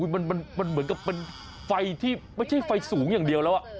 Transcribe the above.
มันเหมือนกับเป็นไฟที่ไม่ใช่ไฟสูงอย่างเดียวแล้ว